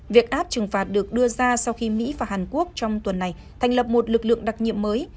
việc áp trừng phạt được đưa ra sau khi mỹ và hàn quốc trong tuần này thành lập một lực lượng đặc nhiệm mới